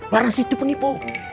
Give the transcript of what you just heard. barnas itu penipu